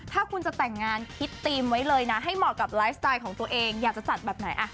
ถ้าคุณจะแต่งงานคิดธีมไว้เลยนะให้เหมาะกับไลฟ์สไตล์ของตัวเองอยากจะจัดแบบไหน